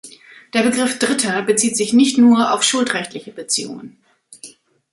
Der Begriff "Dritter" bezieht sich nicht nur auf schuldrechtliche Beziehungen.